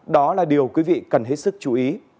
cơ quan cảnh sát điều quý vị cần hết sức chú ý